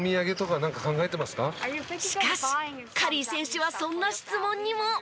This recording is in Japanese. しかしカリー選手はそんな質問にも。